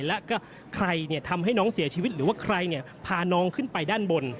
แล้วก็ใครทำให้น้องเสียชีวิตหรือว่าใครพาน้องขึ้นไปด้านบน